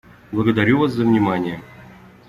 Благодарю вас за внимание.